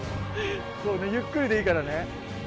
そうねゆっくりでいいからね。